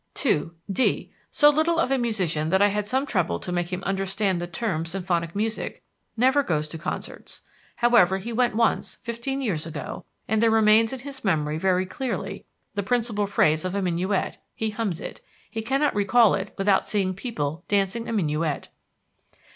2. D......, so little of a musician that I had some trouble to make him understand the term "symphonic music," never goes to concerts. However, he went once, fifteen years ago, and there remains in his memory very clearly the principal phrase of a minuet (he hums it) he cannot recall it without seeing people dancing a minuet.